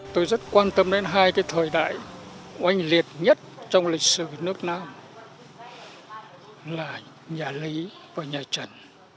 tôi rất quan tâm đến hai cái thời đại oanh liệt nhất trong lịch sử nước nam là nhà lý và nhà trần